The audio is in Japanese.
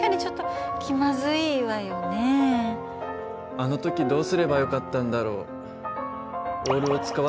あの時どうすればよかったんだろう？